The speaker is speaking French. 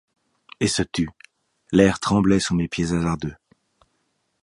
Et se tut. L’air tremblait sous mes pieds hasardeux.